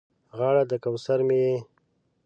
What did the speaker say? غاړه د کوثر مې یې